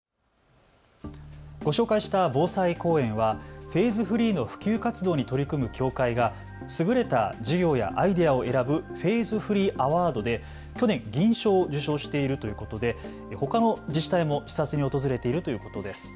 ご紹介した防災公園はフェーズフリーの普及活動に取り組む協会が優れた事業やアイデアを選ぶフェーズフリーアワードで去年銀賞を受賞しているということでほかの自治体も視察に訪れているということです。